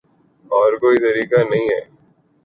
اور کوئی طریقہ نہیں ہے